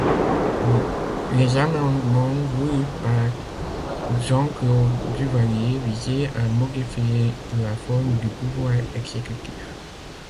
Les amendements voulus par Jean-Claude Duvalier visés à modifier la forme du pouvoir exécutif.